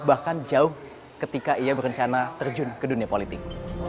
bahkan jauh ketika ia berencana terjun ke dunia politik